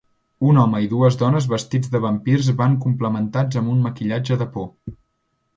Un home i dues dones vestits de vampirs van complementats amb un maquillatge de por.